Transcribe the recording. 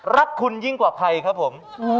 รักคุณยิ่งกว่าใครครับผม